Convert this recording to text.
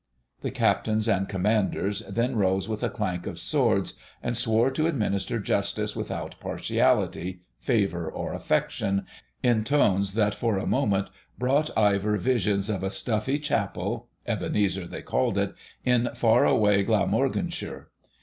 The Captains and Commanders then rose with a clank of swords, and swore to administer justice without partiality, favour, or affection, in tones that for a moment brought Ivor visions of a stuffy chapel (Ebenezer, they called it) in far away Glamorganshire.